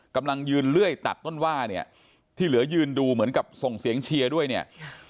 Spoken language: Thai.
กำลังยืนเลื่อยตัดต้นว่าเนี่ยที่เหลือยืนดูเหมือนกับส่งเสียงเชียร์ด้วยเนี่ย